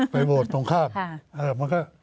ไปโหวจตรงข้าม